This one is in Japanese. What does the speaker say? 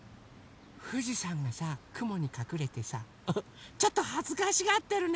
ふじさんがさくもにかくれてさちょっとはずかしがってるね。